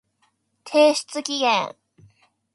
提出期限